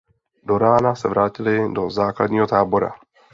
Do rána se vrátili do základního tábora.